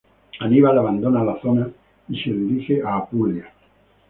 Aníbal abandona la zona y se dirige a Apulia.